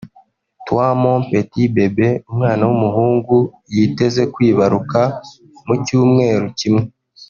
Toi Mon Petit Bebe” umwana w’umuhungu yiteze kwibaruka mu cyumweru kimwe